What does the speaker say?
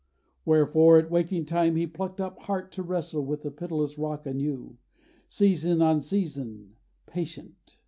Wherefore, at waking time, he plucked up heart To wrestle with the pitiless rock anew, Season on season, patient.